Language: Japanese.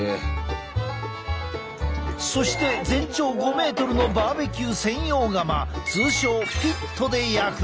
そして全長５ｍのバーベキュー専用窯通称ピットで焼く。